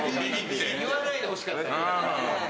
言わないでほしかったけど。